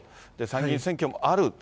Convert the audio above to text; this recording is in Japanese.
参議院選挙もある。